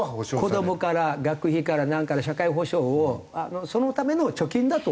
子どもから学費から何から社会保障をそのための貯金だと思ってる。